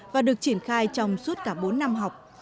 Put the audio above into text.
và được triển khai trong suốt cả bốn năm học